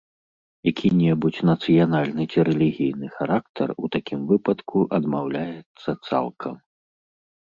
Які-небудзь нацыянальны ці рэлігійны характар у такім выпадку адмаўляецца цалкам.